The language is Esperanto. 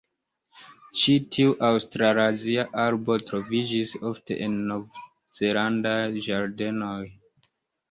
Ĉi tiu aŭstralazia arbo troviĝis ofte en nov-zelandaj ĝardenoj.